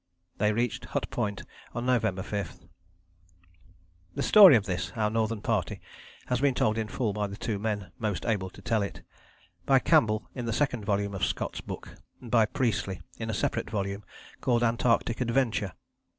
They reached Hut Point on November 5. The story of this, our Northern Party, has been told in full by the two men most able to tell it: by Campbell in the second volume of Scott's book, by Priestley in a separate volume called Antarctic Adventure.